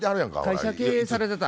会社経営されてた。